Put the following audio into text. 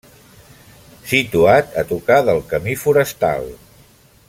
Situat a tocar de camí forestal.